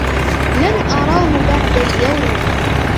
لن أراه بعد اليوم.